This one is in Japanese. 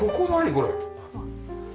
これ。